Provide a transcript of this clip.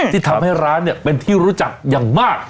ที่ทำให้ร้านเนี่ยเป็นที่รู้จักอย่างมาก